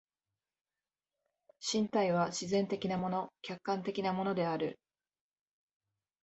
身体は自然的なもの、客観的なものである。